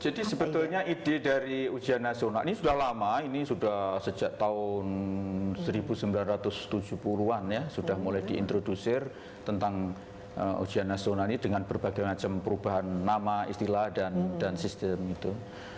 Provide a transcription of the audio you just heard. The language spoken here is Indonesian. jadi sebetulnya ide dari ujian nasional ini sudah lama ini sudah sejak tahun seribu sembilan ratus tujuh puluh an ya sudah mulai diintroducer tentang ujian nasional ini dengan berbagai macam perubahan nama istilah dan sistem itu